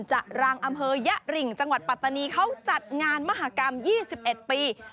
จะรังอำเภอยะริงจังหวัดปัตตานีเขาจัดงานมหากรรม๒๑ปี